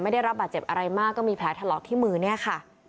ได้รับบาดเจ็บอะไรมากก็มีแผลถลอกที่มือเนี่ยค่ะ